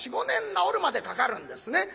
４５年治るまでかかるんですね。